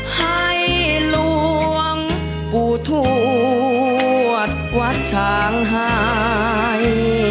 ให้หลวงปู่ทวดวัดฉางหาย